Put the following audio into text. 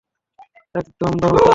একদম দারুণ ছিলো।